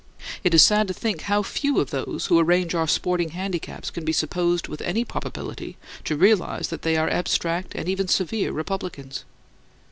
It is sad to think how few of those who arrange our sporting handicaps can be supposed with any probability to realize that they are abstract and even severe republicans.